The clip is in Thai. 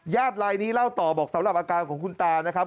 ลายนี้เล่าต่อบอกสำหรับอาการของคุณตานะครับ